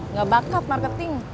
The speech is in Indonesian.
nggak bakat marketing